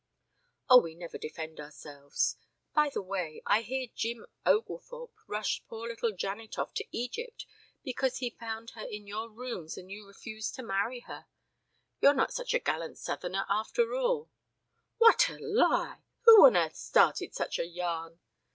"Oh, we never defend ourselves. By the way, I hear Jim Oglethorpe rushed poor little Janet off to Egypt because he found her in your rooms and you refused to marry her. You're not such a gallant Southerner, after all " "What a lie! Who on earth started such a yarn?"